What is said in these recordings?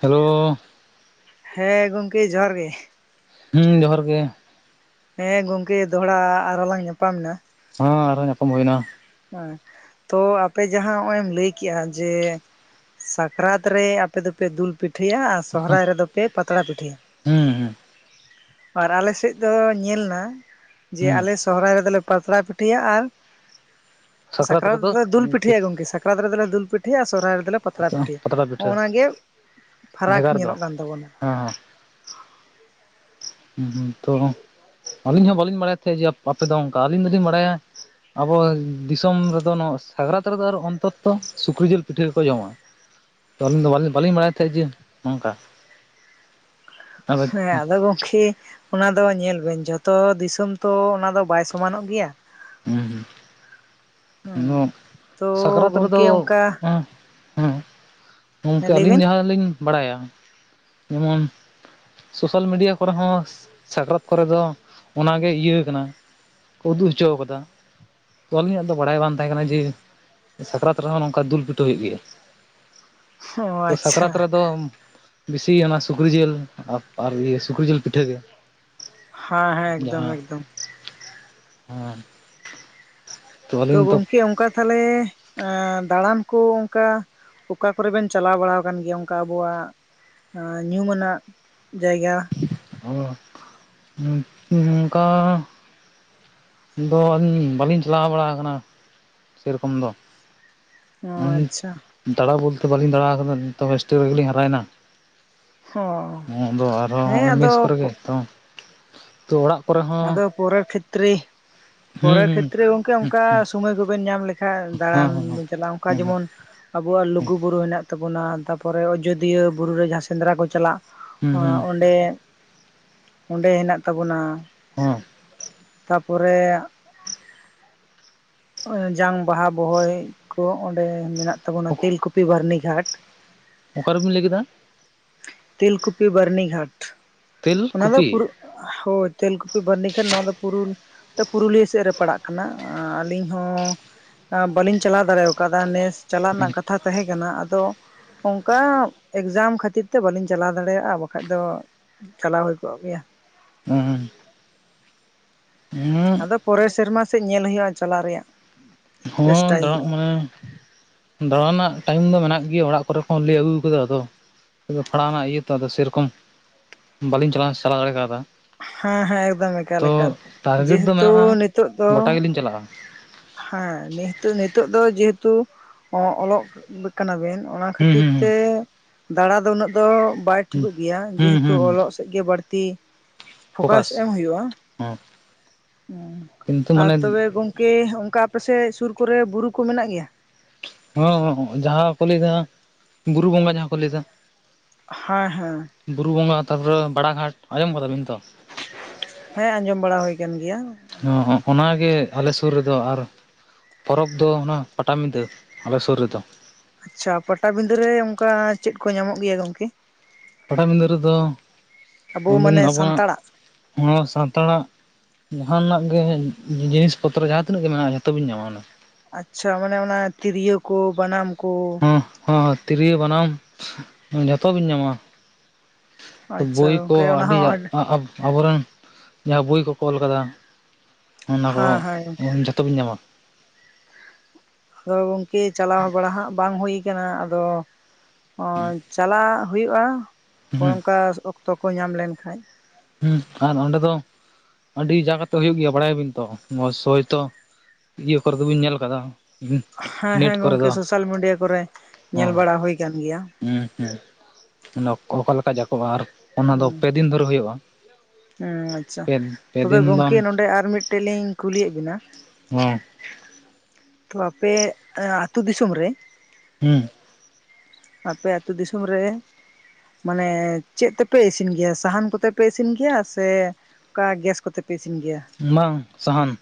Hello ᱦᱮᱸ ᱜᱚᱢᱠᱮ ᱡᱚᱦᱟᱨ ᱜᱮ ᱦᱩᱸ ᱡᱚᱦᱟᱨ ᱜᱮ ᱦᱮᱸ ᱜᱚᱢᱠᱮ ᱫᱚᱦᱲᱟ ᱟᱨᱚᱞᱟᱝ ᱧᱟᱯᱟᱢ ᱱᱟ ᱦᱚ ᱟᱨᱦᱚ ᱧᱟᱯᱟᱢ ᱦᱩᱭ ᱱᱟ ᱦᱮᱸ ᱛᱚ ᱟᱯᱮ ᱡᱟᱦᱟᱸ ᱦᱚᱜᱼᱚᱭ ᱞᱟᱹᱭ ᱠᱮᱜᱼᱟ ᱡᱮ ᱥᱟᱠᱨᱟᱛ ᱨᱮ ᱟᱯᱮ ᱫᱚᱯᱮ ᱫᱩᱞ ᱯᱤᱴᱷᱟᱹᱭᱟ ᱟᱨ ᱥᱚᱦᱨᱟᱭ ᱨᱮᱫᱚ ᱯᱮ ᱯᱟᱛᱲᱟ ᱯᱤᱴᱷᱟᱹᱭᱟ ᱦᱩᱸ ᱦᱩᱸ ᱟᱨ ᱟᱞᱮ ᱥᱮᱫ ᱫᱚ ᱧᱮᱞᱱᱟ ᱡᱮ ᱦᱩᱸ ᱟᱞᱮ ᱥᱚᱦᱨᱟᱭ ᱨᱮᱫᱚᱞᱮ ᱯᱟᱛᱲᱟ ᱯᱤ ᱴᱷᱟ. ᱭᱟ ᱟᱨ ᱥᱟᱠᱨᱟᱛ ᱨᱮ ᱫᱚ ᱫᱩᱞ ᱯᱤᱴᱷᱟᱹᱭᱟ ᱜᱚᱢᱠᱮ ᱥᱟᱠᱨᱟᱛ ᱨᱮᱫᱚᱞᱮ ᱫᱩᱞ ᱯᱤᱴᱷᱟᱹᱭᱟ ᱟᱨ ᱥᱚᱨᱦᱟᱭ ᱨᱮᱫᱚᱞᱮ ᱯᱟᱛᱲᱟ ᱯᱤᱴᱷᱟᱹᱭᱟ ᱯᱟᱛᱲᱟ ᱦᱚᱜ ᱯᱤᱴᱷᱟᱹ ᱚ ᱱᱚᱣᱟᱜᱮ ᱯᱷᱟᱨᱟᱠ ᱧᱮᱞᱚᱜ ᱠᱟᱱ ᱛᱟᱵᱚᱱᱟ ᱚᱸ ᱦᱩ ᱦᱩ ᱛᱚ ᱟᱹᱞᱤᱧ ᱦᱚᱸ ᱵᱟᱹᱞᱤᱧ ᱵᱟᱲᱟᱭ ᱛᱟᱦᱮᱸᱫ ᱡᱮ ᱟᱯᱮ ᱫᱚ ᱚᱱᱠᱟ ᱟᱹᱞᱤᱧ ᱫᱚᱞᱤᱧ ᱵᱟᱲᱟᱭᱟ ᱟᱵᱚ ᱫᱤᱥᱚᱢ ᱨᱮᱫᱚ ᱱᱚᱣᱟ ᱥᱟᱠᱨᱟᱛ ᱨᱮᱫᱚ ᱟᱨᱚ ᱚᱱᱛᱚᱛᱚ ᱥᱩᱠᱨᱤ ᱡᱮᱞ ᱯᱤᱴᱷᱟᱹ ᱜᱮᱠᱚ ᱡᱚᱢᱟ ᱛᱚ ᱟᱹᱞᱤᱧ ᱫᱚ ᱵᱟᱹᱞᱤᱧ ᱵᱟᱲᱟᱭ ᱛᱟᱦᱮᱸᱜ ᱡᱮ ᱚᱝᱠᱟ ᱦᱮᱸ ᱟᱫᱚ ᱜᱚᱢᱠᱮ ᱚᱱᱟ ᱫᱚ ᱧᱮᱞ ᱵᱮᱱ ᱡᱚᱛᱚ ᱫᱤᱥᱚᱢ ᱛᱚ ᱚᱱᱟ ᱫᱚ ᱵᱟᱭ ᱥᱚᱢᱟᱱᱚᱜ ᱜᱮᱭᱟ ᱦᱩᱸ ᱦᱮᱸ ᱦᱩᱸ ᱛᱚ ᱥᱟᱠᱨᱟᱛ ᱜᱚᱝᱠᱮ ᱨᱮᱫᱚ ᱚᱱᱠᱟ [inaudible] ᱦᱮᱸ ᱦᱮᱸ ᱜᱚᱝᱠᱮ ᱞᱟᱹᱭ ᱵᱮᱱ ᱟᱹᱞᱤᱧ ᱡᱟᱦᱟᱸᱞᱤᱧ ᱵᱟᱲᱟᱭᱟ ᱡᱮᱢᱚᱱ ᱥᱳᱥᱟᱞ ᱢᱤᱰᱤᱭᱟ ᱠᱚᱨᱮ ᱦᱚᱸ ᱥᱟᱠᱨᱟᱛ ᱠᱚᱨᱮ ᱫᱚ ᱚᱱᱚ ᱜᱮ ᱤᱭᱟᱹ ᱠᱟᱱᱟ ᱩᱫᱩᱜ ᱦᱚᱪᱚ ᱠᱟᱫᱟ ᱛᱚ ᱟᱹᱞᱤᱧᱟᱜ ᱫᱚ ᱵᱟᱲᱟᱭ ᱵᱟᱝ ᱛᱟᱦᱮᱸ ᱠᱟᱱᱟ ᱡᱮ ᱥᱟᱠᱨᱟᱛ ᱨᱮᱦᱚᱸ ᱱᱚᱝᱠᱟ ᱫᱩᱞ ᱯᱤᱴᱷᱟᱹ ᱦᱳᱭᱳᱜ ᱜᱮᱭᱟ ᱚ ᱛᱚ ᱥᱟᱠᱨᱟᱛ ᱟᱪᱪᱷᱟ ᱨᱮᱫᱚ ᱵᱤᱥᱤ ᱚᱱᱟ ᱥᱩᱠᱨᱤ ᱡᱞ ᱟᱨ ᱥᱩᱠᱨᱤ ᱡᱮᱞ ᱯᱤᱴᱷᱟᱹ ᱜᱮ ᱦᱟᱸ ᱦᱮᱸ ᱮᱠᱫᱚᱢ ᱡᱟᱦᱟᱸ ᱮᱠᱫᱚᱢ ᱦᱮᱸ ᱛᱚ ᱛᱳ ᱟᱹᱞᱤᱧ ᱛᱚ ᱜᱚᱝᱠᱮ ᱚᱱᱠᱟ ᱛᱟᱦᱞᱮ ᱫᱟᱬᱟᱱ ᱠᱚ ᱚᱝᱠᱟ ᱚᱠᱟ ᱠᱚᱨᱮ ᱵᱮᱱ ᱪᱟᱞᱟᱣ ᱵᱟᱲᱟ ᱟᱠᱟᱱ ᱜᱮᱭᱟ ᱚᱱᱠᱟ ᱟᱵᱚᱣᱟᱜ ᱟᱸ ᱧᱩᱢ ᱟᱱᱟᱜ ᱡᱟᱭᱜᱟ ᱚ ᱱᱚᱝᱠᱟ ᱫᱚ ᱟᱹᱞᱤᱧ ᱵᱟᱹᱞᱤᱧ ᱪᱟᱞᱟᱣ ᱵᱟᱲᱟ ᱟᱠᱟᱱᱟ ᱥᱮᱨᱚᱠᱚᱢ ᱫᱚ ᱚ ᱟᱪᱪᱷᱟ ᱫᱟᱬᱟ ᱵᱚᱞᱛᱮ ᱵᱟᱹᱞᱤᱧ ᱫᱟᱲᱟ ᱟᱠᱟᱫᱟ ᱱᱤᱛᱚ ᱦᱚᱥᱴᱮᱞ ᱨᱮᱜᱮᱞᱧ ᱦᱟᱨᱮᱱᱟ ᱚ [unintelligible] ᱱᱚᱣᱟ ᱫᱚ ᱟᱨᱦᱚᱸ ᱦᱮᱸ ᱦᱚᱸᱜᱼᱚᱭ ᱟᱫᱚ ᱢᱮᱥ ᱠᱚᱨᱮ ᱜᱮ ᱛᱚ ᱚᱲᱟᱜ ᱠᱚᱨᱮ ᱦᱚᱸ ᱟᱫᱚ ᱯᱚᱨᱮᱨ ᱠᱷᱮᱛᱨᱮ ᱦᱩᱸ ᱯᱚᱨᱮᱨ ᱦᱩᱸ ᱠᱷᱮᱛᱨᱮ ᱜᱚᱝᱠᱮ ᱚᱝᱠᱟ ᱥᱚᱢᱚᱭ ᱠᱚᱵᱮᱱ ᱧᱟᱢ ᱞᱮᱠᱷᱟᱱ ᱦᱮᱸ ᱫᱟᱬᱟᱱ ᱦᱮᱸ ᱵᱧ ᱪᱟᱞᱟᱜᱼᱟ ᱚᱱᱠᱟ ᱦᱮᱸ ᱦᱮᱸ ᱡᱮᱢᱚᱱ ᱟᱵᱚᱣᱟᱜ ᱞᱩᱜᱩ ᱵᱩᱨᱩ ᱦᱮᱱᱟᱜ ᱛᱟᱵᱚᱱᱟ ᱛᱟᱯᱚᱨᱮ ᱟᱡᱚᱫᱤᱭᱟᱹ ᱵᱩᱨᱩ ᱨᱮ ᱡᱟᱦᱟᱸ ᱥᱮᱸᱫᱽᱨᱟ ᱠᱚ ᱪᱟᱞᱟᱜ ᱦᱮᱸ ᱦᱩᱸ ᱚᱸᱰᱮ ᱚᱸᱰᱮ ᱦᱮᱱᱟᱜ ᱛᱟᱵᱚᱱᱟ ᱦᱩᱸ ᱛᱟᱯᱚᱨᱮ ᱡᱟᱝ ᱵᱟᱦᱟ ᱵᱚᱦᱚᱭ ᱠᱚ ᱚᱸᱰᱮ ᱢᱮᱱᱟᱜ ᱛᱟᱵᱚᱱᱟ ᱛᱮᱞᱠᱩᱯᱤ ᱵᱟᱹᱨᱱᱤᱜᱷᱟᱴ ᱚᱠᱟᱨᱮᱢ ᱞᱟᱹᱭ ᱠᱮᱫᱟ ᱛᱮᱞᱠᱩᱯᱤ ᱵᱟᱹᱨᱱᱤᱜᱷᱟᱴ ᱛᱮᱞ ᱚᱱᱟ ᱫᱚ ᱠᱩᱯᱤ ᱯᱩᱨᱩ ᱦᱳᱭ ᱛᱮᱞ ᱠᱩᱯᱤ ᱵᱷᱟᱹᱱᱤ ᱜᱷᱟᱴ ᱱᱚᱣᱟ ᱫᱚ ᱯᱩᱨᱩ ᱚᱱᱛᱮ ᱯᱩᱨᱩᱞᱤᱭᱟᱹ ᱥᱮᱫ ᱨᱮ ᱯᱟᱲᱟᱜ ᱠᱟᱱᱟ ᱟᱹᱞᱤᱧ ᱦᱚᱸ ᱟ ᱵᱟᱹᱞᱤᱧ ᱪᱟᱞᱟᱣ ᱫᱟᱲᱮ ᱟᱠᱟᱣᱫᱟ ᱱᱮᱥ ᱪᱟᱞᱟᱜ ᱨᱮᱱᱟᱜ ᱠᱟᱛᱷᱟ ᱛᱟᱦᱮᱸ ᱠᱟᱱᱟ ᱟᱫᱚ ᱚᱱᱠᱟ ᱮᱠᱡᱟᱢ ᱠᱷᱟᱹᱛᱤᱨ ᱛᱮ ᱛᱮ ᱵᱟᱹᱞᱤᱧ ᱪᱟᱞᱟᱣ ᱫᱟᱲᱮᱭᱟᱜᱼᱟ ᱵᱟᱠᱷᱟᱡ ᱫᱚ ᱪᱟᱞᱟᱣ ᱦᱩᱭ ᱠᱚᱜ ᱜᱮᱭᱟ ᱦᱩᱸ ᱟᱫᱚ ᱯᱚᱨᱮ ᱥᱮᱨᱢᱟ ᱥᱮᱫ ᱧᱮᱞ ᱦᱩᱭᱩᱜᱼᱟ ᱪᱟᱞᱟᱜ ᱨᱮᱭᱟᱜ ᱦᱚᱸ ᱪᱮᱥᱴᱟᱭ ᱫᱟᱲᱟᱜ ᱦᱩᱭᱩᱜᱼᱟ ᱢᱟᱱᱮ ᱫᱟᱬᱟᱱᱟᱜ ᱴᱟᱭᱤᱢ ᱫᱚ ᱢᱮᱱᱟᱜ ᱜᱮᱭᱟ ᱚᱲᱟᱜ ᱠᱚᱨᱮ ᱠᱷᱚᱱ ᱞᱮᱟᱹᱭ ᱟᱹᱜᱩ ᱟᱠᱟᱫᱟ ᱟᱫᱚ [unintelligible] ᱯᱷᱟᱲᱟᱣ ᱨᱮᱱᱟᱜ ᱤᱭᱟᱹ ᱛᱚ ᱟᱫᱚ ᱥᱮᱨᱚᱠᱚᱢ ᱵᱟᱟᱹᱞᱤᱧ ᱪᱟᱞᱟᱣ ᱪᱟᱞᱟᱣ ᱫᱟᱲᱮ ᱠᱟᱣᱫᱟ ᱦᱮᱸ ᱦᱮᱸ ᱮᱠᱫᱚᱢ ᱮᱠᱟᱞ ᱛᱚ ᱮᱠᱟᱞ ᱴᱟᱨᱜᱮᱴ ᱫᱚ ᱡᱮᱦᱮᱛᱩ ᱢᱮᱱᱟᱜᱼᱟ ᱱᱤᱛᱚᱜ ᱫᱚ ᱜᱚᱴᱟ ᱜᱮᱞᱤᱧ ᱪᱟᱞᱟᱜᱼᱟ ᱦᱮᱸ ᱱᱦᱤᱛᱚᱜ ᱱᱤᱛᱚᱜ ᱫᱚ ᱡᱮᱦᱮᱛᱩ ᱚᱞᱚᱜ ᱠᱟᱱᱟᱵᱤᱱ ᱚᱱᱟ ᱦᱩᱸ ᱠᱷᱟᱹᱛᱤᱨ ᱦᱩᱸ ᱦᱩᱸ ᱛᱮ ᱫᱟᱬᱟ ᱫᱚ ᱩᱱᱟᱹᱜ ᱫᱚ ᱵᱟᱭ ᱴᱷᱤᱠᱚᱜ ᱜᱮᱭᱟ ᱦᱩᱸ ᱡᱮᱦᱮᱛᱩ ᱦᱩᱸ ᱦᱩᱸ ᱚᱞᱚᱜ ᱥᱮᱫ ᱜᱮ ᱵᱟᱹᱲᱛᱤ ᱯᱷᱚᱠᱟᱥ ᱯᱷᱳᱠᱟᱥ ᱮᱢ ᱦᱩᱭᱩᱜᱼᱟ ᱦᱮᱸ ᱠᱤᱱᱛᱩ ᱟᱨ ᱢᱟᱱᱮ ᱛᱚᱵᱮ ᱜᱚᱝᱠᱮ ᱠᱮ ᱚᱱᱠᱟ ᱟᱯᱮᱥᱮᱫ ᱥᱩᱨ ᱠᱚᱨᱮ ᱵᱩᱨᱩ ᱠᱚ ᱢᱮᱱᱟᱜ ᱜᱮᱭᱟ ᱦᱮ ᱡᱟᱦᱟᱸ ᱠᱚ ᱞᱟᱹᱭᱮᱫᱟ ᱵᱩᱨᱩ ᱵᱚᱸᱜᱟ ᱡᱟᱦᱟᱸ ᱠᱚ ᱞᱟᱹᱭ ᱮᱫᱟ ᱦᱮᱸ ᱦᱮᱸ ᱵᱩᱨᱩ ᱵᱚᱸᱜᱟ ᱛᱟᱯᱚᱨᱮ ᱵᱟᱲᱟ ᱜᱷᱟᱴ ᱟᱸᱡᱚᱢ ᱠᱟᱫᱟ ᱵᱤᱱ ᱛᱚ ᱦᱮᱸ ᱟᱸᱡᱚᱢ ᱵᱟᱲᱟ ᱦᱩᱭ ᱠᱟᱱ ᱜᱮᱭᱟ ᱦᱚᱸ ᱚᱱᱟᱜᱮ ᱟᱞᱮ ᱥᱩᱨ ᱨᱮᱫᱚ ᱟᱨ ᱯᱚᱨᱚᱵᱽ ᱫᱚ ᱚᱱᱟ ᱯᱟᱴᱟᱵᱤᱫᱟᱹ ᱟᱞᱮ ᱥᱩᱨ ᱨᱮᱫᱚ ᱟᱪᱪᱷᱟ ᱯᱟᱴᱟᱵᱤᱸᱫᱟᱹᱮ ᱚᱱᱠᱟ ᱪᱮᱫ ᱠᱚ ᱧᱟᱢᱚᱜ ᱜᱮᱭᱟ ᱜᱚᱝᱠᱮ ᱯᱟᱴᱟᱵᱤᱫᱟᱹ ᱨᱮᱫᱚ ᱟᱵᱚ ᱟᱹᱵᱤᱱ ᱢᱟᱱᱮ ᱟᱵᱚᱣᱟᱜ ᱥᱟᱱᱛᱟᱲᱟᱜ ᱦᱚᱲ ᱥᱟᱱᱛᱟᱲᱟᱜ ᱡᱟᱦᱟᱸᱟᱱᱟᱜ ᱜᱮ ᱡᱤᱱᱤᱥ ᱯᱚᱛᱨᱚ ᱡᱟᱦᱟᱸ ᱛᱤᱱᱟᱹᱜ ᱜᱮ ᱢᱮᱱᱟᱜᱼᱟ ᱡᱷᱚᱛᱚᱵᱤᱱ ᱧᱟᱢᱟ ᱚᱱᱟ ᱟᱪᱪᱷᱟ ᱢᱟᱱᱮ ᱚᱱᱟ ᱛᱤᱨᱭᱳ ᱠᱚ ᱵᱟᱱᱟᱢ ᱠᱚ ᱦ ᱛᱤᱨᱭᱳ ᱵᱟᱱᱟᱢ ᱡᱚᱛᱚ ᱵᱤᱱ ᱧᱟᱢᱟ ᱵᱳᱭ ᱟᱪᱪᱷᱟ ᱠᱚ ᱜᱚᱝᱠᱮ ᱚᱱᱟ ᱟᱹᱰᱤ ᱦᱚᱸ ᱟᱹᱰ ᱟᱵᱚ ᱨᱮᱱ ᱡᱟᱦᱟᱸ ᱵᱳᱭ ᱠᱚ ᱚᱞ ᱟᱠᱟᱫᱟ ᱚᱱᱟ ᱠᱚ ᱦᱮᱸ ᱦᱮᱸ ᱜᱚᱝᱠᱮ ᱡᱚᱛᱚ ᱵᱤᱱ ᱧᱟᱢᱟ ᱟᱫᱚ ᱜᱚᱝᱠᱮ ᱪᱟᱞᱟᱣ ᱵᱟᱲᱟ ᱦᱜ ᱵᱟᱝ ᱦᱩᱭ ᱠᱟᱱᱟ ᱟᱫᱚ ᱚ ᱪᱟᱞᱟᱜ ᱦᱩᱭᱩᱜᱼᱟᱜ ᱦᱩᱸ ᱚᱱᱠᱟ ᱚᱠᱛᱚ ᱠᱚ ᱧᱟᱢ ᱞᱮᱱᱠᱷᱟᱡ ᱦᱩᱸ ᱟᱨ ᱚᱸᱰᱮ ᱫᱚ ᱟᱹᱰᱤ ᱡᱟ ᱠᱟᱛᱮ ᱦᱩᱭᱩᱜ ᱜᱮᱭᱟ ᱵᱟᱲᱟᱭᱟ ᱵᱤᱱ ᱛᱚ ᱦᱚᱳᱭ ᱛᱚ ᱤᱭᱟᱹ ᱠᱚᱨᱮ ᱫᱚ ᱵᱟᱹᱧ ᱧᱮᱞ ᱟᱠᱟᱫᱟ ᱦᱮᱸ ᱦᱮᱸ ᱜᱚᱝᱠᱮ ᱥᱳᱥᱟᱞ ᱢᱤᱰᱤᱭᱟ ᱠᱚᱨᱮ ᱧᱮᱞ ᱵᱟᱲᱟ ᱦᱩᱭ ᱟᱠᱟᱱ ᱜᱮᱭᱟ ᱦᱸ ᱦᱸ ᱚᱠᱟᱞᱠ ᱡᱠᱚᱼᱟ ᱟᱨ ᱚᱱᱟ ᱫᱚ ᱯᱮᱫᱤᱱ ᱫᱷᱚᱨᱮ ᱦᱩᱭᱩᱜᱼᱟ ᱦᱮᱸ ᱟᱪᱪᱷᱟ ᱯᱮ ᱯᱮ ᱛᱚᱵᱮ ᱫᱤᱱ ᱜᱚᱢᱠᱮ ᱵᱟᱝ ᱱᱚᱰᱮ ᱟᱨ ᱢᱤᱫᱴᱮᱡ ᱞᱤᱧ ᱠᱩᱞᱤᱭᱮᱫ ᱵᱮᱱᱟᱣ ᱦᱮᱸ ᱛᱚ ᱟᱯᱮ ᱟᱹᱛᱩᱳ ᱫᱤᱥᱚᱢ ᱨᱮ ᱦᱩᱸ ᱟᱯᱮ ᱟᱸᱛᱩ ᱫᱤᱥᱚᱢ ᱨᱮ ᱢᱟᱱᱮ ᱪᱮᱫ ᱛᱮᱯᱮ ᱤᱥᱤᱱ ᱜᱮᱭᱟ ᱥᱟᱦᱟᱱ ᱠᱚᱛᱮ ᱯᱮ ᱤᱥᱤᱱ ᱜᱮᱭᱟ ᱥᱮ ᱚᱝᱠᱟ ᱜᱮᱥ ᱠᱚᱛᱮ ᱯᱮ ᱤᱥᱤᱱ ᱜᱮᱭᱟ? ᱵᱟᱝ ᱥᱟᱦᱟᱱ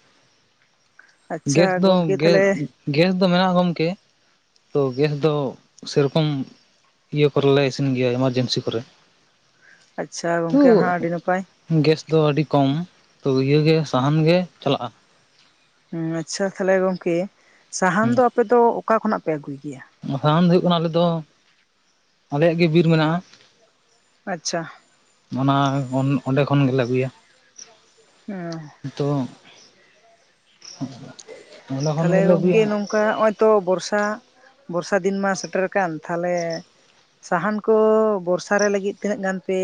ᱟᱪᱪᱷᱟ ᱜᱮᱥ ᱫᱚ ᱜᱚᱝᱠᱮ ᱜᱮ ᱛᱟᱦᱚᱞᱮ ᱜᱮᱥ ᱫᱚ ᱢᱮᱱᱟᱜᱼᱟ ᱜᱚᱢᱠᱮ ᱛᱚ ᱜᱮᱥ ᱫᱚ ᱥᱮᱨᱚᱠᱚᱢ ᱤᱭᱟᱹ ᱠᱚᱨᱮᱞᱮ ᱤᱥᱤᱱ ᱜᱮᱭᱟ ᱮᱢᱟᱨᱡᱮᱱᱥᱤ ᱠᱚᱨᱮ᱾ ᱟᱪᱪᱷᱟ ᱛᱚ ᱜᱚᱝᱠᱮ ᱦᱟᱸᱜ ᱟᱹᱰᱤ ᱱᱟᱯᱟᱭ ᱜᱮᱥ ᱫᱚ ᱟᱹᱰᱤ ᱠᱚᱢ ᱛᱚ ᱤᱭᱟᱹᱜᱮ ᱥᱟᱦᱟᱱ ᱜᱮ ᱪᱟᱞᱟᱜᱼᱟ᱾ ᱦᱮᱸ ᱟᱪᱪᱷᱟ ᱛᱟᱦᱞᱮ ᱜᱚᱝᱠᱮ ᱥᱟᱦᱟᱱ ᱦᱩᱸ ᱫᱚ ᱟᱯᱮ ᱫᱚ ᱚᱠᱟ ᱠᱷᱚᱱᱟᱜ ᱯᱮ ᱟᱹᱜᱩᱭ ᱜᱮᱭᱟ? ᱥᱟᱦᱟᱱ ᱫᱚ ᱦᱩᱭᱩᱜ ᱠᱟᱱᱟ ᱟᱞᱮ ᱫᱚ ᱟᱞᱮᱭᱟᱜ ᱜᱮ ᱵᱤᱨ ᱢᱮᱱᱟᱜᱼᱟ ᱟᱪᱪᱷᱟ ᱚᱱᱟ ᱚᱸᱰᱮ ᱠᱷᱚᱱ ᱜᱮᱞᱮ ᱟᱹᱜᱩᱭᱟ᱾ ᱦᱮᱸ ᱛᱚ ᱚᱸᱰᱮ ᱠᱷᱚᱱ ᱛᱟᱦᱚᱞᱮ ᱜᱮᱞᱮ ᱜᱚᱝᱠᱮ ᱟᱹᱜᱩᱭᱟ ᱱᱚᱝᱠᱟ ᱱᱚᱜᱼᱚᱭ ᱛᱚ ᱵᱚᱨᱥᱟ ᱵᱚᱨᱥᱟ ᱫᱤᱱ ᱢᱟ ᱥᱮᱴᱮᱨ ᱟᱠᱟᱱ, ᱛᱟᱦᱚᱞᱮ ᱥᱟᱦᱟᱱ ᱠᱚ ᱵᱚᱨᱥᱟᱮ ᱞᱟᱹᱜᱤᱫ ᱛᱤᱱᱟᱹᱜ ᱜᱟᱱ ᱯᱮ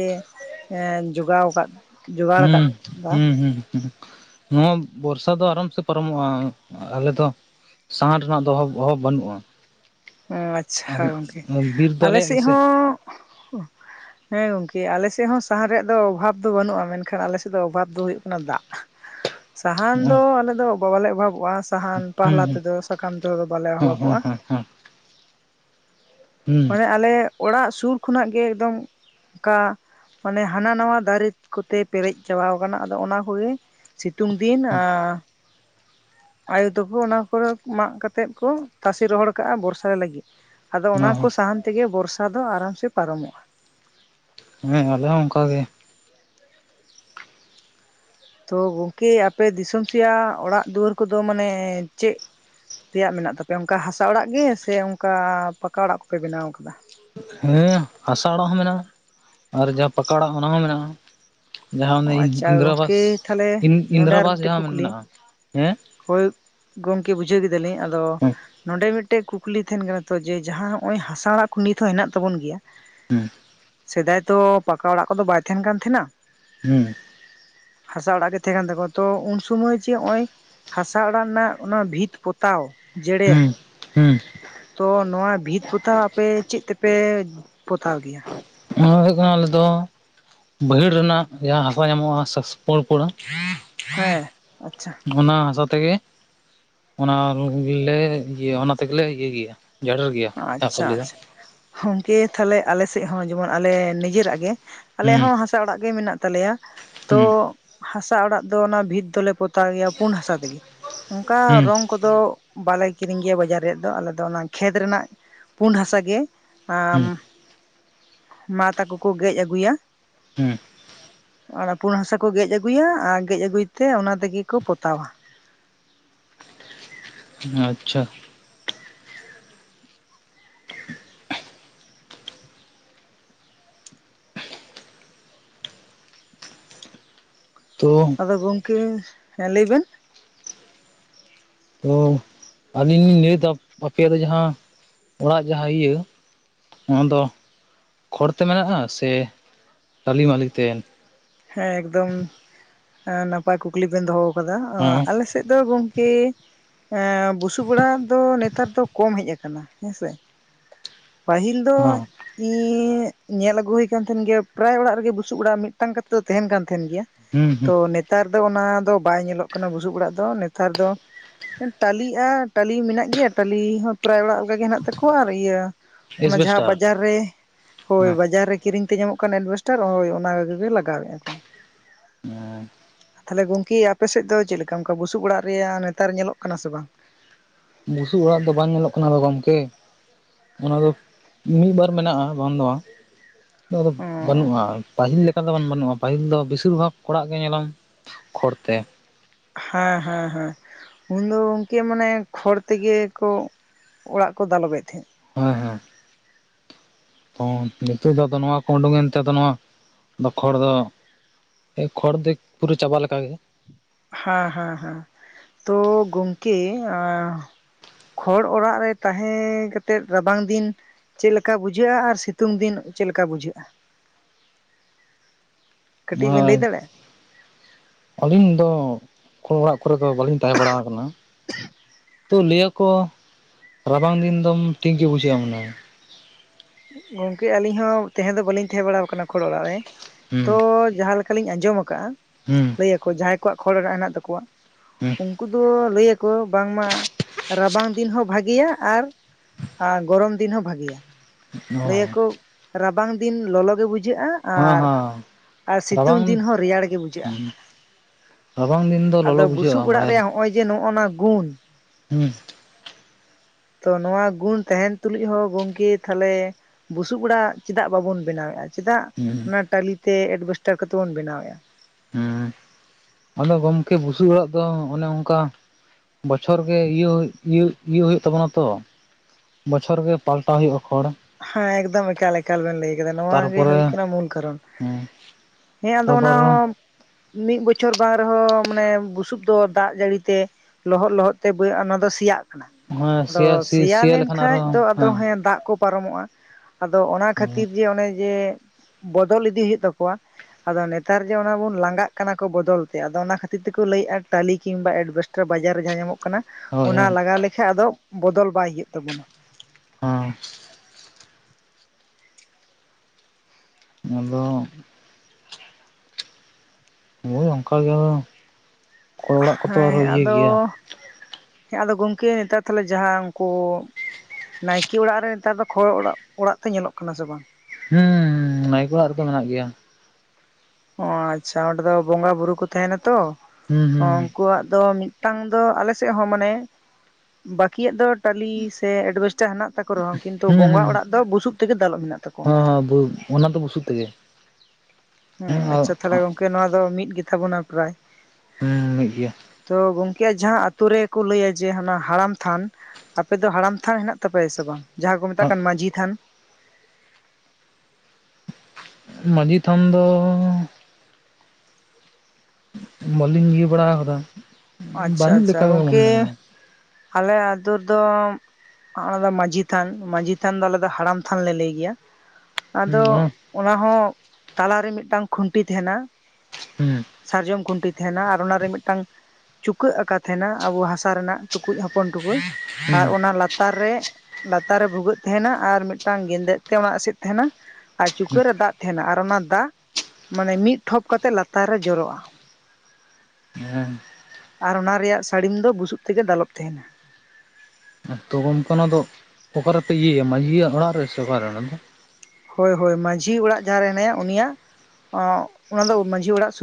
ᱡᱚᱜᱟᱣ ᱟᱠᱟᱫ? ᱡᱚᱜᱟᱲ ᱟᱠᱟᱫ ᱦᱩᱸ, ᱫᱟ ᱦᱩᱸ ᱦᱩᱸ ᱦᱩᱸ ᱱᱚᱣᱟ ᱵᱚᱨᱥᱟ ᱫᱚ ᱟᱨᱟᱢ ᱥᱮ ᱯᱟᱨᱚᱢᱚᱜᱼᱟ ᱟᱞᱮ ᱫᱚ ᱥᱟᱦᱟᱱ ᱨᱮᱱᱟᱜ ᱫᱚ ᱚᱵᱷᱟᱵ ᱚᱵᱷᱟᱵ ᱵᱟᱹᱱᱩᱜᱼᱟ᱾ ᱚ ᱟᱪᱪᱷᱟ ᱜᱚᱝᱠᱮ ᱵᱤᱨ ᱫᱚ ᱟᱞᱮ ᱟᱞᱮᱭᱟᱜ ᱥᱮᱫ ᱜᱮᱥᱮ ᱦᱚᱸ ᱦᱮᱸ ᱜᱚᱝᱠᱮ ᱟᱞᱮ ᱥᱮᱫ ᱦᱚᱸ ᱥᱟᱦᱟᱱ ᱨᱮᱭᱟᱜ ᱫᱚ ᱚᱵᱷᱟᱵ ᱫᱚ ᱵᱟᱹᱱᱩᱜᱼᱟ ᱢᱮᱱᱠᱷᱟᱱ ᱟᱞᱮᱥᱮᱫ ᱫᱚ ᱚᱵᱷᱟᱵ ᱫᱚ ᱦᱩᱭᱩᱜ ᱠᱟᱱᱟ ᱫᱟᱜ᱾ [inaudible] ᱥᱟᱦᱟᱱ ᱫᱚ ᱦᱩᱸ ᱟᱞᱮ ᱫᱚ ᱵᱟ ᱵᱟᱞᱮ ᱚᱵᱷᱟᱵᱚᱜᱼᱟ ᱥᱟᱦᱟᱱ ᱦᱩᱸ ᱯᱟᱦᱞᱟ ᱦᱮᱸ ᱛᱮᱫᱚ ᱥᱟᱠᱟᱢ ᱛᱮᱫᱚ ᱵᱟᱞᱮ ᱦᱮᱸ ᱚᱵᱷᱟᱵᱚᱜᱼᱟ᱾ ᱦᱮᱸ ᱦᱮᱸ ᱦᱩᱸ ᱢᱟᱱᱮ ᱟᱞᱮ ᱚᱲᱟᱜ ᱥᱩᱨ ᱠᱷᱚᱱᱟᱜ ᱜᱮ ᱮᱠᱫᱚᱢ ᱠᱟ ᱢᱟᱱᱮ ᱦᱟᱱᱟ ᱱᱟᱣᱟ ᱫᱟᱨᱮ ᱠᱚᱛᱮ ᱯᱮᱨᱮᱡ ᱪᱟᱵᱟᱣ ᱟᱠᱟᱱᱟ ᱟᱫᱚ ᱚᱱᱟ ᱠᱚᱜᱮ ᱥᱤᱛᱩᱝ ᱫᱤᱱ ᱟᱻ ᱟᱭᱳ ᱛᱟᱠᱚ ᱚᱱᱟ ᱠᱚᱨᱮ ᱢᱟᱜ ᱠᱟᱛᱮᱜ ᱠᱚ ᱛᱟᱥᱮ ᱨᱚᱦᱚᱲ ᱠᱟᱜᱼᱟ ᱵᱚᱨᱥᱟ ᱞᱟᱹᱜᱤᱫ ᱟᱫᱚ ᱚᱱᱟ ᱚ ᱠᱚ ᱦᱚᱸ ᱥᱟᱦᱟᱱ ᱛᱮᱜᱮ ᱵᱚᱨᱥᱟ ᱫᱚ ᱟᱨᱟᱢ ᱥᱮ ᱯᱟᱨᱚᱢᱚᱜᱼᱟ᱾ ᱦᱮᱸ ᱟᱞᱮ ᱦᱚᱸ ᱚᱱᱠᱟ ᱜᱮ᱾ ᱛᱚ ᱜᱚᱝᱠᱮ ᱟᱯᱮ ᱫᱤᱥᱚᱢ ᱥᱮᱭᱟᱜ ᱚᱲᱟᱜ ᱫᱩᱣᱟᱹᱨ ᱠᱚᱫᱚ ᱢᱟᱱᱮ ᱪᱮᱜ ᱛᱮᱭᱟᱜ ᱢᱮᱱᱟᱜ ᱛᱟᱯᱮᱭᱟ, ᱚᱝᱠᱟ ᱦᱟᱥᱟ ᱚᱲᱟᱜ ᱜᱮ ᱥᱮ ᱚᱝᱠᱟ ᱯᱟᱠᱟ ᱚᱲᱟᱜ ᱠᱚᱯᱮ ᱵᱮᱱᱟᱣ ᱟᱠᱟᱫᱟ? ᱦᱮᱸ ᱦᱟᱥᱟ ᱚᱲᱟᱜ ᱦᱚᱸ ᱢᱮᱱᱟᱜᱼᱟ ᱟᱨ ᱡᱟᱦᱟᱸ ᱯᱟᱠᱟ ᱚᱸᱴᱲᱟᱜ ᱚᱱᱟ ᱦᱚᱸ ᱢᱮᱱᱟᱜᱼᱟ᱾ ᱡᱟᱦᱟᱸ ᱚ ᱚᱱᱮ ᱟᱪᱪᱷᱟ ᱜᱚᱝᱠᱮ ᱤᱱ-ᱤᱱᱫᱨᱟᱵᱟᱥ ᱛᱟᱦᱚᱞᱮ ᱱᱚᱰᱮ ᱟᱨ ᱤᱱ-ᱤᱱᱫᱨᱟᱵᱟᱥ ᱢᱤᱫᱴᱮᱡ ᱡᱟᱦᱟᱸ ᱠᱩᱠᱞᱤ ᱢᱮᱱᱟᱜᱼᱟ, ᱦᱮᱸ ᱦᱳᱭ ᱜᱚᱢᱠᱮ ᱵᱩᱡᱷᱟᱹᱣ ᱠᱮᱫᱟᱞᱤᱧ ᱟᱫᱚ ᱦᱩᱸ ᱱᱚᱸᱰᱮ ᱢᱤᱫᱴᱮᱡ ᱠᱩᱠᱞᱤ ᱛᱟᱸᱦᱮᱱ ᱠᱟᱱᱟ ᱛᱚ ᱡᱮ ᱡᱟᱦᱟᱸ ᱦᱚᱸᱜᱼᱚᱭ ᱦᱟᱥᱟ ᱚᱲᱟᱜ ᱱᱤᱛ ᱦᱚᱸ ᱦᱮᱱᱟᱜ ᱛᱟᱵᱚᱱ ᱜᱮᱭᱟ ᱦᱮᱸ ᱥᱮᱫᱟᱭ ᱛᱚ ᱯᱟᱠᱟ ᱚᱲᱟᱜ ᱠᱚᱫᱚ ᱵᱟᱭ ᱛᱟᱸᱦᱮᱱ ᱠᱟᱱ ᱛᱟᱸᱦᱮᱱᱟ ᱦᱩᱸ ᱦᱟᱥᱟ ᱚᱸᱲᱟᱜ ᱜᱮ ᱛᱟᱦᱮᱸ ᱠᱟᱱ ᱛᱟᱠᱚᱣᱟ ᱛᱚ ᱩᱱ ᱥᱩᱢᱚᱭ ᱡᱮ ᱦᱚᱜᱼᱚᱭ ᱦᱟᱥᱟ ᱚᱸᱲᱟᱜ ᱨᱮᱱᱟᱜ ᱚᱱᱟ ᱵᱷᱤᱛ ᱯᱚᱛᱟᱣ ᱡᱮᱨᱮᱲ ᱦᱩᱸ ᱦᱩᱸ ᱛᱚ ᱱᱚᱣᱟ ᱵᱷᱤᱛ ᱯᱚᱛᱟᱣ ᱟᱯᱮ ᱪᱮᱫ ᱛᱮᱯᱮ ᱯᱚᱛᱟᱣ ᱜᱮᱭᱟ? ᱚᱱᱟ ᱫᱚ ᱦᱩᱭᱩᱜ ᱠᱟᱱᱟ ᱟᱞᱮ ᱫᱚ ᱵᱟᱹᱭᱦᱟᱹᱲ ᱨᱮᱱᱟᱜ ᱡᱟᱦᱟᱸ ᱦᱟᱥᱟ ᱧᱟᱢᱚᱜᱼᱟ ᱯᱳᱲ ᱯᱳᱲ ᱟᱜ ᱦᱮᱸ ᱟᱪᱪᱷᱟ ᱚᱱᱟ ᱦᱟᱥᱟ ᱛᱮᱜᱮ ᱚᱱᱟ ᱨᱩᱢ ᱞᱮ ᱤᱭᱟᱹᱭᱟ ᱚᱱᱟ ᱛᱮᱜᱮᱞᱮ ᱤᱭᱟᱹᱭ ᱜᱮᱭᱟ᱾ ᱡᱮᱨᱮᱲ ᱜᱮᱭᱟ ᱡᱟᱦᱟᱸ ᱠᱚ ᱟᱪᱪᱷᱟ ᱞᱟᱹᱭᱟ ᱟᱪᱪᱷᱟ ᱜᱚᱝᱠᱮ ᱛᱟᱦᱟᱞᱮ ᱟᱞᱮᱥᱮᱫ ᱦᱚᱸ ᱡᱮᱢᱚᱱ ᱟᱞᱮ ᱱᱤᱡᱮᱨᱟᱜ ᱜᱮ ᱟᱞᱮ ᱦᱩᱸ ᱦᱚᱸ ᱦᱟᱥᱟ ᱚᱸᱲᱟᱜ ᱜᱮ ᱢᱮᱱᱟᱜ ᱛᱟᱞᱮᱭᱟ ᱛᱚ ᱦᱩᱸ ᱦᱟᱥᱟ ᱚᱸᱲᱟᱜ ᱫᱚ ᱚᱱᱟ ᱵᱷᱤᱛ ᱫᱚᱞᱮ ᱯᱚᱛᱟᱣ ᱜᱮᱭᱟ ᱯᱩᱸᱰ ᱦᱟᱥᱟ ᱛᱮᱜᱮ ᱚᱱᱠᱟ ᱦᱩᱸ ᱨᱚᱝ ᱠᱚᱫᱚ ᱵᱟᱞᱮ ᱠᱤᱨᱤᱧ ᱜᱮᱭᱟ ᱵᱟᱡᱟᱨ ᱨᱮᱭᱟᱜ ᱫᱚ, ᱟᱞᱮ ᱫᱚ ᱚᱱᱟ ᱠᱷᱮᱛ ᱨᱮᱱᱟᱜ ᱯᱩᱹᱰ ᱦᱟᱥᱟ ᱜᱮ ᱟᱢ ᱦᱩᱸ ᱢᱟ ᱛᱟᱠᱚ ᱠᱚ ᱜᱮᱡ ᱟᱹᱜᱩᱭᱟ ᱦᱩᱸ ᱚᱱᱟ ᱯᱩᱸᱲ ᱦᱟᱥᱟ ᱠᱚ ᱜᱮᱡ ᱟᱹᱜᱩᱭᱟ ᱟᱨ ᱜᱮᱡ ᱟᱹᱜᱩᱭ ᱛᱮ ᱚᱱᱟ ᱛᱮᱜᱮ ᱠᱚ ᱯᱚᱛᱟᱣᱟ᱾ ᱟᱪᱪᱷᱟ ᱛᱚ ᱟᱫᱚ ᱜᱚᱝᱠᱮ ᱦᱮᱸ ᱞᱟᱹᱭ ᱵᱮᱱ ᱛᱚ ᱟᱹᱞᱤᱧ ᱞᱤᱧ ᱞᱟᱹᱭ ᱮᱫᱟ ᱟᱯᱮᱭᱟᱜ ᱫᱚ ᱡᱟᱦᱟᱸ ᱚᱲᱟᱜ ᱡᱟᱦᱟᱸ ᱤᱭᱟᱹ ᱱᱚᱣᱟ ᱫᱚ ᱠᱷᱚᱲ ᱛᱮ ᱢᱮᱱᱟᱜᱼᱟ ᱥᱮ ᱴᱟᱹᱞᱤ ᱢᱟᱹᱞᱤ ᱛᱮ ᱦᱮᱸ ᱮᱠᱫᱚᱢ ᱱᱟᱯᱟᱭ ᱠᱩᱠᱞᱤ ᱵᱮᱱ ᱫᱚᱦᱚ ᱟᱠᱟᱫᱟ ᱦᱮᱸ ᱟᱞᱮ ᱛᱮᱫ ᱫᱚ ᱜᱚᱝᱠᱮ ᱮᱸ ᱵᱩᱥᱩᱵ ᱚᱲᱟᱜ ᱫᱚ ᱱᱮᱛᱟᱨ ᱫᱚ ᱠᱚᱢ ᱦᱮᱡ ᱟᱠᱟᱱᱟ ᱦᱮᱸᱥᱮ ᱯᱟᱹᱦᱤᱞ ᱫᱚ ᱤ ᱧᱮᱞ ᱟᱹᱜᱩ ᱦᱩᱭ ᱠᱟᱱ ᱛᱟᱦᱮᱱ ᱜᱮᱭᱟ ᱯᱨᱟᱭ ᱚᱲᱟᱜ ᱨᱮᱜᱮ ᱵᱩᱥᱩᱵ ᱚᱲᱟᱜ ᱢᱤᱫᱴᱟᱝ ᱠᱟᱛᱮᱫ ᱛᱟᱦᱮᱱ ᱠᱟᱱ ᱛᱟᱦᱮᱱ ᱜᱮᱭᱟ ᱦᱩᱸ ᱦᱩᱸ ᱛᱚ ᱱᱮᱛᱟᱨ ᱫᱚ ᱚᱱᱟ ᱫᱚ ᱵᱟᱭ ᱧᱮᱞᱚᱜ ᱠᱟᱱᱟ ᱵᱩᱥᱩᱵ ᱚᱸᱲᱟᱜ ᱫᱚ ᱱᱮᱛᱟᱨ ᱫᱚ ᱴᱟᱞᱤᱜᱼᱟ ᱴᱟᱞᱤ ᱢᱮᱱᱟᱜ ᱜᱮᱭᱟ ᱴᱟᱞᱤ ᱦᱚᱸ ᱯᱨᱟᱭ ᱚᱲᱟᱜ ᱞᱮᱠᱟᱜᱮ ᱦᱮᱱᱟᱜ ᱛᱟᱠᱚᱣᱟ ᱟᱨ ᱤᱭᱟᱹ ᱚᱱᱟ ᱡᱟᱦᱟᱸ ᱮᱥᱵᱮᱥᱴᱟᱨ ᱵᱟᱡᱟᱨ ᱨᱮ ᱦᱳᱭ ᱦᱮᱸ ᱵᱟᱡᱟᱨ ᱨᱮ ᱠᱤᱨᱤᱧ ᱛᱮ ᱧᱟᱢᱚᱜ ᱠᱟᱱᱟ ᱮᱰᱵᱮᱥᱴᱟᱨ ᱦᱳᱭ ᱚᱱᱟ ᱠᱚᱜᱮ ᱞᱟᱜᱟᱣᱮᱫᱼᱟ ᱠᱚ᱾ ᱦᱮᱸ ᱛᱟᱦᱚᱞᱮ ᱜᱚᱝᱠᱮ ᱟᱯᱮᱥᱮᱫ ᱫᱚ ᱪᱮᱫ ᱞᱮᱠᱟ ᱚᱱᱠᱟ ᱵᱩᱥᱩᱵ ᱚᱲᱟᱜ ᱨᱮᱭᱟᱜ ᱱᱮᱛᱟᱨ ᱧᱮᱞᱚᱜ ᱠᱟᱱᱟ ᱥᱮ ᱵᱟᱝ? ᱵᱩᱥᱩᱵ ᱚᱲᱟᱜ ᱫᱚ ᱵᱟᱝ ᱧᱮᱞᱚᱜ ᱠᱟᱱᱟ ᱜᱚᱝᱠᱮ᱾ ᱚᱱᱟ ᱫᱚ ᱢᱤᱫ ᱵᱟᱨ ᱢᱮᱱᱟᱜᱼᱟ ᱵᱟᱝ ᱫᱚ ᱵᱟᱝ ᱩᱱᱟᱸᱜ ᱫᱚ ᱚᱸ ᱵᱟᱹᱱᱩᱜᱼᱟ, ᱯᱟᱹᱦᱤᱞ ᱞᱮᱠᱟ ᱚᱱᱠᱟ ᱛᱟᱵᱚᱱᱟ ᱵᱟᱹᱱᱩᱜᱼᱟ ᱯᱟᱹᱦᱤᱞ ᱫᱚ ᱵᱮᱥᱤᱨ ᱵᱷᱟᱜ ᱚᱲᱟᱜ ᱜᱮ ᱧᱮᱞᱟᱢ ᱠᱷᱚᱲ ᱛᱮ᱾ ᱦᱮᱸ ᱦᱮᱸ ᱦᱮᱸ ᱩᱱᱫᱚ ᱜᱚᱝᱠᱮ ᱢᱟᱱᱮ ᱠᱷᱚᱲ ᱛᱮᱜᱮ ᱠᱚ, ᱚᱲᱟᱜ ᱠᱚ ᱫᱟᱞᱚᱵᱮᱫ ᱛᱟᱦᱮᱸᱫ᱾ ᱦᱮᱸ ᱦᱮᱸ ᱦᱚᱸ ᱱᱤᱛᱚᱜ ᱫᱚ ᱟᱫᱚ ᱱᱚᱣᱟ ᱠᱚ ᱩᱰᱩᱠᱮᱱ ᱛᱮᱫᱚ ᱱᱚᱣᱟ ᱵᱟᱠᱷᱚᱲ ᱫᱚ ᱠᱷᱚᱲ ᱫᱚ ᱯᱩᱨᱟᱹ ᱪᱟᱵᱟ ᱞᱮᱠᱟᱜ ᱜᱮ᱾ ᱦᱮᱸ ᱦᱮᱸ ᱦᱮᱸ ᱛ ᱜᱚᱝᱠᱮ ᱟ ᱠᱷᱚᱲ ᱚᱲᱟᱜ ᱨᱮ ᱛᱟᱦᱮᱸ ᱠᱟᱛᱮᱫ ᱨᱟᱵᱟᱝ ᱫᱤᱱ- ᱪᱮᱫ ᱞᱮᱠᱟ ᱵᱩᱡᱷᱟᱹᱜᱼᱟ, ᱟᱨ ᱥᱤᱛᱩᱝ ᱫᱤᱱ ᱪᱮᱫ ᱞᱮᱠᱟ ᱵᱩᱡᱷᱟᱹᱜᱼᱟ? ᱠᱟᱹᱴᱤᱡ ᱵᱮᱱ ᱦᱳᱭ ᱞᱟᱹᱭ ᱫᱟᱲᱮᱭᱟᱜᱼᱟ ᱟᱹᱞᱤᱧ ᱫᱚ ᱠᱷᱚᱲ ᱚᱲᱟᱜ ᱠᱚᱨᱮᱫᱚ ᱵᱟᱹᱞᱤᱧ ᱛᱟᱦᱮᱸ ᱵᱟᱲᱟ ᱟᱠᱟᱱᱟ᱾ ᱛᱚ ᱞᱟᱹᱭᱟᱠᱚ ᱨᱟᱵᱟᱝ ᱫᱤᱱ ᱫᱚᱢ ᱴᱷᱤᱠ ᱜᱮ ᱵᱩᱡᱷᱟᱹᱜᱼᱟ ᱢᱚᱱᱮ ᱦᱳᱭ᱾ ᱜᱚᱝᱠᱮ ᱟᱹᱞᱤᱧ ᱦᱚᱸ ᱛᱟᱦᱮᱸ ᱫᱚ ᱵᱟᱹᱞᱤᱧ ᱛᱟᱦᱮᱸ ᱵᱟᱲᱟ ᱠᱟᱱᱟ ᱠᱷᱚᱲ ᱚᱲᱟᱜ, ᱨᱮ ᱦᱚᱭ ᱛᱚ ᱡᱟᱦᱟᱸ ᱞᱮᱠᱟ ᱞᱤᱧ ᱟᱸᱡᱚᱢ ᱠᱟᱫᱼᱟ, ᱦᱩᱸ ᱞᱟᱹᱭᱟ ᱠᱚ ᱡᱟᱦᱟᱸᱭ ᱠᱚᱣᱟᱜ ᱠᱷᱚᱲ ᱦᱮᱱᱟᱜ ᱛᱟᱠᱚᱣᱟ, ᱦᱩᱸ ᱩᱱᱠᱩ ᱫᱚ ᱞᱟᱹᱭ ᱠᱚ ᱵᱟᱝᱢᱟ ᱨᱟᱵᱟᱝ ᱫᱤᱱ ᱦᱚᱸ ᱵᱷᱟᱜᱤᱭᱟ ᱟᱨ ᱜᱚᱨᱚᱢ ᱫᱤᱱ ᱦᱚᱸ ᱵᱷᱟᱜᱭᱟ᱾ ᱦᱮᱸ ᱞᱟᱹᱭᱟᱠᱚ ᱨᱟᱵᱟᱝ ᱫᱤᱱ ᱞᱚᱞᱚᱜ ᱜᱮ ᱵᱩᱡᱷᱟᱹᱜᱼᱟ, ᱟᱨ, ᱦᱮᱸ ᱟᱨ ᱥᱤᱛᱩᱝ ᱨᱟᱵᱟᱝ ᱫᱤᱱ ᱦᱚᱸ ᱨᱮᱭᱟᱲ ᱜᱮ ᱵᱩᱡᱷᱟᱹᱜᱼᱟ᱾ ᱨᱟᱵᱟᱝ ᱫᱤᱱ ᱫᱚ ᱟᱫᱚ ᱞᱚᱞᱚ ᱵᱩᱥᱩᱵ ᱵᱩᱡᱷᱟᱹᱜᱼᱟ ᱚᱲᱟᱜ ᱵᱟᱲᱟᱭ ᱨᱮᱭᱟᱜ ᱦᱚᱸᱜᱼᱚᱭ ᱡᱮ ᱱᱚᱜᱼᱚᱭ ᱱᱚᱣᱟ ᱜᱩᱱ᱾ ᱦᱩᱸ ᱛᱚ ᱱᱚᱣᱟ ᱜᱩᱱ ᱛᱟᱦᱮᱱ ᱛᱩᱞᱩᱡ ᱦᱚᱸ ᱜᱚᱝᱠᱮ ᱛᱟᱦᱞᱮ ᱵᱩᱥᱩᱵ ᱚᱲᱟᱜ ᱪᱮᱫᱟᱜ ᱵᱟᱵᱚᱱ ᱵᱮᱱᱟᱣᱮᱫᱼᱟ? ᱪᱮᱫᱟᱜ ᱦᱩᱸ ᱚᱱᱟ ᱴᱟᱞᱤᱛᱮ ᱮᱰᱵᱮᱥᱴᱟᱨ ᱠᱟᱛᱮ ᱵᱚᱱ ᱵᱮᱱᱟᱣᱮᱜᱼᱟ? ᱦᱩᱸ ᱟᱫᱚ ᱜᱚᱝᱠᱮ ᱵᱩᱥᱩᱵ ᱚᱲᱟᱜ ᱫᱚ ᱚᱱᱮ ᱚᱱᱠᱟ᱾ ᱵᱚᱪᱷᱚᱨ ᱜᱮ ᱤᱭᱟᱹ ᱤᱭᱟᱹ ᱦᱩᱭᱩᱜ ᱛᱟᱵᱚᱱᱟ ᱛᱚ᱾ ᱵᱚᱪᱷᱚᱨ ᱜᱮ ᱯᱟᱞᱴᱟᱣ ᱦᱩᱭᱩᱜᱼᱟ ᱠᱷᱚᱲ᱾ ᱦᱮᱸ ᱮᱫᱚᱢ ᱮᱠᱟᱞ ᱮᱠᱟᱞ ᱵᱮᱱ ᱞᱟᱹᱭ ᱟᱠᱟᱫᱟ ᱱᱚᱣᱟ ᱜᱮ ᱦᱩᱭᱩᱜ ᱛᱟᱨᱯᱚᱨᱮ ᱠᱟᱱᱟ ᱢᱩᱞ ᱠᱟᱨᱚᱱ᱾ ᱦᱮᱸ ᱦᱮᱸ ᱟᱫᱚ ᱚᱱᱟ ᱛᱟᱨᱯᱚᱨ ᱦᱚᱸ ᱢᱤᱫ ᱵᱚᱪᱷᱚᱨ ᱵᱟᱝ ᱨᱮᱦᱚᱸ ᱢᱟᱱᱮ ᱵᱩᱥᱩᱵ ᱫᱚ ᱫᱟᱜ ᱡᱟᱹᱲᱤ ᱛᱮ, ᱞᱚᱦᱚᱫ ᱞᱚᱦᱚᱫ ᱛᱮ ᱵᱟᱹᱭᱟᱹ ᱟ ᱱᱚᱱᱟ ᱫᱚ ᱥᱮᱭᱟᱜ ᱦᱮᱸ ᱟᱫᱚ ᱥᱤ ᱥᱮᱭᱟ ᱞᱮᱠᱷᱟᱱ ᱞᱮᱱᱠᱟᱱ ᱫᱚ ᱟᱨᱦᱚᱸ ᱟᱫᱚ ᱦᱮᱸ ᱫᱟᱜ ᱠᱚ ᱯᱟᱨᱚᱢᱚᱜᱼᱟ ᱟᱫᱚ ᱚᱱᱟ ᱦᱳᱭ ᱠᱷᱟᱹᱛᱤᱨ ᱡᱮ ᱚᱱᱮ ᱡᱮ ᱵᱚᱫᱚᱞ ᱤᱫᱤ ᱦᱩᱭᱩᱜ ᱛᱟᱠᱚᱣᱟ, ᱟᱫᱚ ᱱᱮᱛᱟᱨ ᱡᱮ ᱚᱱᱟ ᱵᱩᱱ ᱞᱟᱸᱜᱟᱜ ᱠᱟᱱᱟ ᱠᱚ ᱵᱚᱫᱚᱞ ᱛᱮ, ᱟᱫᱚ ᱚᱱᱟ ᱠᱷᱟᱹᱛᱤᱨ ᱛᱮᱠᱚ ᱞᱟᱹᱭᱮᱫᱼᱟ ᱴᱟᱞᱤ ᱠᱤᱵᱟ ᱮᱰᱵᱷᱮᱥᱴᱟᱨ ᱵᱟᱡᱟᱨ ᱨᱮ ᱡᱟᱦᱟᱸ ᱧᱟᱢᱚᱜ ᱠᱟᱱᱟ ᱦᱳᱭ ᱚᱱᱟ ᱞᱟᱜᱟᱣ ᱞᱮᱠᱷᱟᱡ ᱟᱫᱚ ᱵᱚᱫᱚᱞ ᱵᱟᱭ ᱦᱳᱭᱩᱜ ᱛᱟᱵᱚᱱᱟ ᱾ ᱦᱚᱸ ᱢᱮᱱ ᱫᱚ ᱦᱳᱭ ᱚᱱᱠᱟ ᱜᱮ ᱠᱷᱚᱲ ᱚᱲᱟᱜ ᱠᱚᱛᱚ ᱦᱮᱸ ᱟᱨᱚ ᱤᱭᱟᱹ ᱟᱫᱚ ᱜᱮᱭᱟ᱾ ᱦᱮᱸ ᱟᱫᱚ ᱜᱚᱢᱠᱮ ᱱᱮᱛᱟᱨ ᱛᱟᱦᱚᱞᱮ ᱡᱟᱦᱟᱸ ᱩᱱᱠᱩ ᱱᱟᱭᱠᱮ ᱚᱲᱟᱜ ᱨᱮ ᱱᱮᱛᱟᱨ ᱫᱚ ᱠᱷᱚᱲᱚ ᱚᱲᱟᱜ ᱚᱲᱟᱜ ᱛᱮ ᱧᱮᱞᱚᱜ ᱠᱟᱱᱟ ᱥᱮ ᱵᱟᱝ? ᱦᱩᱸᱻ ᱱᱟᱭᱤᱠ ᱚᱲᱟᱜ ᱨᱮᱫᱚ ᱢᱮᱱᱟᱜ ᱜᱮᱭᱟ᱾ ᱚ ᱟᱪᱪᱷᱟ ᱚᱸᱰᱮ ᱫᱚ ᱵᱚᱸᱜᱟ ᱵᱩᱨᱩ ᱠᱚ ᱛᱟᱦᱮᱱᱟ ᱛᱚ, ᱦᱩᱸ ᱦᱩᱸ ᱩᱱᱠᱩᱣᱟᱜ ᱫᱚ ᱢᱤᱫ ᱢᱤᱫᱴᱟᱝ ᱫᱚ ᱟᱞᱮ ᱥᱮᱫ ᱦᱚᱸ ᱢᱟᱱᱮ ᱵᱟᱹᱠᱤᱭᱟᱜ ᱫᱚ ᱴᱟᱹᱟᱞᱤ ᱥᱮ ᱮᱰᱵᱮᱥᱴᱟᱨ ᱦᱮᱱᱟᱜ ᱛᱟᱠᱚ ᱨᱮᱦᱚᱸ ᱩᱱ ᱠᱤᱱᱛᱩ ᱦᱩᱸ ᱵᱚᱸᱜᱟ ᱦᱩᱸ ᱚᱲᱟᱜ ᱫᱚ ᱵᱩᱥᱩᱵ ᱛᱮ ᱜᱮ ᱫᱟᱞᱚᱵ ᱢᱮᱱᱟᱜᱼᱟ᱾ ᱦᱚᱸ ᱦᱚᱸ ᱚᱱᱟ ᱫᱚ ᱵᱩᱥᱩᱵ ᱛᱮᱜᱮ ᱾ ᱦᱮᱸ ᱟᱪᱪᱷᱟ ᱛᱟᱦᱞᱮ ᱜᱚᱝᱠᱮ ᱱᱚᱣᱟ ᱫᱚ ᱢᱤᱫ ᱜᱮ ᱛᱟᱵᱚᱱᱟ ᱯᱨᱟᱭ ᱾ ᱦᱩᱸ ᱢᱤᱫ ᱜᱮᱭᱟ ᱛᱚ ᱜᱚᱝᱠᱮ ᱡᱟᱦᱟᱸ ᱟᱹᱛᱳ ᱨᱮᱠᱚ ᱞᱟᱹᱭᱟ ᱡᱮ ᱦᱟᱱᱟ ᱦᱟᱲᱟᱢ ᱛᱷᱟᱱ ᱟᱯᱮ ᱫᱚ ᱦᱟᱲᱟᱢ ᱛᱷᱟᱱ ᱦᱮᱱᱟᱜ ᱛᱟᱯᱮᱭᱟ ᱥᱮ ᱵᱟᱝ? ᱡᱟᱦᱟᱸ ᱠᱚ ᱢᱮᱛᱟᱜ ᱠᱟᱱ ᱢᱟᱺᱡᱷᱤ ᱛᱷᱟᱱ ᱢᱟᱹᱡᱷᱤ ᱛᱷᱟᱱ ᱫᱚ ᱵᱚᱞᱤᱧ ᱤᱭᱟᱹ ᱵᱟᱲᱟ ᱟᱠᱟᱫᱟ ᱾ ᱟᱪᱪᱷᱟ ᱵᱟᱹᱱᱩᱜ ᱞᱮᱠᱟ ᱟᱪᱪᱷᱟ ᱜᱮ ᱜᱚᱝᱠᱮ ᱟᱞᱮ ᱟᱛᱳ ᱫᱚ ᱟᱞᱮ ᱫᱚ ᱢᱟᱹᱡᱷᱤ ᱛᱷᱟᱱ ᱢᱟᱹᱡᱷᱤ ᱛᱷᱟᱱ ᱫᱚ ᱟᱞᱮ ᱫᱚ ᱦᱟᱲᱟᱢ ᱛᱷᱟᱱ ᱞᱮ ᱞᱟᱹᱭ ᱜᱮᱭᱟ ᱾ ᱦᱩᱸ ᱟᱫᱚ ᱚᱱᱟ ᱦᱚ ᱛᱟᱞᱟᱨᱮ ᱢᱤᱫᱴᱟᱝ ᱠᱷᱩᱱᱴᱤ ᱛᱟᱦᱮᱸᱱᱟ ᱦᱩᱸ ᱥᱟᱨᱡᱚᱢ ᱠᱷᱩᱱᱴᱤ ᱛᱟᱦᱮᱱᱟ ᱟᱨ ᱚᱱᱟᱨᱮ ᱢᱤᱫᱴᱟᱝ ᱪᱩᱠᱟᱹᱜ ᱟᱠᱟ ᱛᱟᱦᱮᱱᱟ ᱟᱵᱩ ᱦᱟᱥᱟ ᱨᱮᱱᱟᱜ ᱴᱩᱠᱩᱡ ᱦᱚᱯᱚᱱ ᱴᱩᱠᱩᱡ ᱟᱨ ᱦᱩᱸ ᱚᱱᱟ ᱞᱟᱛᱼ ᱼᱛᱟᱨ ᱨᱮ ᱞᱟᱛᱟᱨ ᱨᱮ ᱵᱷᱩᱜᱟᱹᱜ ᱛᱟᱦᱮᱱᱟ ᱟᱨ ᱢᱤᱫᱴᱟᱝ ᱜᱮᱸᱫᱮᱜ ᱛᱮ ᱚᱱᱟ ᱮᱥᱮᱫ ᱛᱟᱦᱮᱱᱟ ᱟᱨ ᱪᱩᱠᱟᱹ ᱨᱮ ᱫᱟᱜ ᱛᱟᱦᱮᱱᱟ ᱟᱨ ᱚᱱᱟ ᱫᱟᱜ ᱢᱟᱱᱮ ᱢᱤᱫ ᱴᱷᱚᱯ ᱠᱟᱛᱮᱜ ᱞᱟᱛᱟᱨ ᱨᱮ ᱡᱚᱨᱚᱜᱼᱟ ᱾ [unintelligible] ᱟᱨ ᱚᱱᱟ ᱨᱮᱭᱟᱜ ᱥᱟᱹᱲᱤᱢ ᱫᱚ ᱵᱩᱥᱩᱵ ᱛᱮᱜᱮ ᱫᱟᱞᱚᱵ ᱛᱟᱦᱮᱱᱟ ᱾ ᱛᱚ ᱜᱚᱢᱠᱮ ᱚᱱᱟ ᱫᱚ ᱚᱠᱟᱨᱮᱯᱮ ᱤᱭᱟᱹᱭᱟ ᱢᱟᱹᱡᱷᱤᱭᱟᱜ ᱚᱲᱟᱜ ᱨᱮ ᱥᱮ ᱚᱠᱟᱨᱮ ᱚᱱᱟ ᱫᱚ? ᱦᱳᱭ ᱦᱳᱭ ᱢᱟᱹᱡᱷᱤ ᱚᱲᱟᱜ ᱡᱟᱦᱟᱸ ᱨᱮ ᱦᱮᱱᱟᱭᱟ ᱩᱱᱤᱭᱟᱜ ᱚᱱᱟ ᱫᱚ ᱢᱟᱹᱡᱷᱤ ᱚᱲᱟᱜ ᱥᱩᱨ